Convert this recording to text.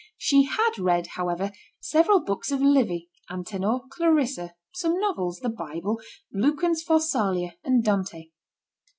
She had read, however, several books of Livy, Antenor, Clarissa, some novels, the Bible, Lucan's Pharsalia, and Dante.